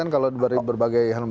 kalau dari berbagai hal